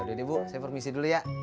yaudah ibu saya permisi dulu ya